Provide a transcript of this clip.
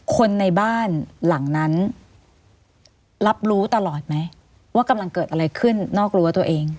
คนในบ้านหลังนั้นรับรู้ตลอดไหมว่ากำลังเกิดอะไรขึ้นนอกรั้วตัวเอง